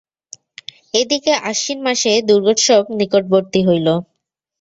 এদিকে আশ্বিন মাসে দুর্গোৎসব নিকটবর্তী হইল।